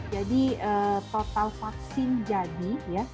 jadi total vaksin jadi ya